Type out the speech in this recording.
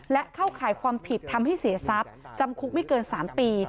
และเข้าข่ายความผิดทำให้เสียทรัพย์จำคุกไม่เกิน๓ปี